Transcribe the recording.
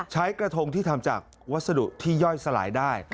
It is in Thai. ใช้กระทงที่ทำจากวัสดุที่ย่อยสลายได้